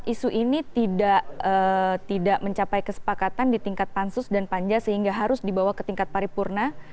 isu ini tidak mencapai kesepakatan di tingkat pansus dan panja sehingga harus dibawa ke tingkat paripurna